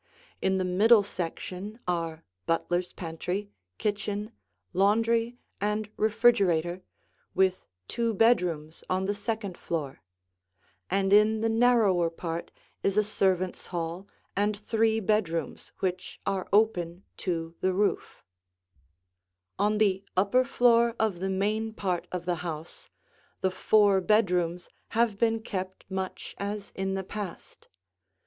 In the middle section are butler's pantry, kitchen, laundry, and refrigerator, with two bedrooms on the second floor; and in the narrower part is a servants' hall and three bedrooms which are open to the roof. [Illustration: The Old fashioned Chamber] On the upper floor of the main part of the house the four bedrooms have been kept much as in the past.